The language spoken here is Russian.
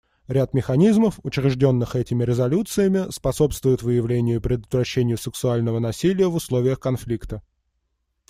Ряд механизмов, учрежденных этими резолюциями, способствует выявлению и предотвращению сексуального насилия в условиях конфликта.